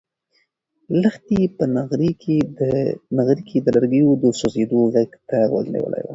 لښتې په نغري کې د لرګیو د سوزېدو غږ ته غوږ نیولی و.